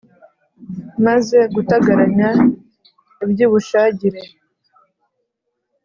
Maze gutagaranya iby'i Bushagire